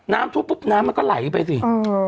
น้ำช่วมปุ๊บน้ำมันก็ไหลไปสิ